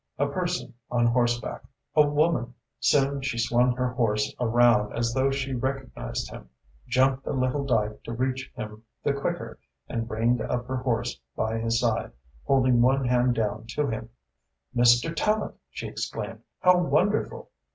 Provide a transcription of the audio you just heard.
A person on horseback, a woman! Soon she swung her horse around as though she recognised him, jumped a little dike to reach him the quicker and reined up her horse by his side, holding one hand down to him. "Mr. Tallente!" she exclaimed. "How wonderful!"